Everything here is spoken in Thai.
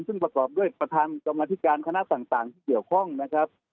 ซึ่งประกอบด้วยประธานกรรมธิการคณะต่างที่เกี่ยวข้องนะครับ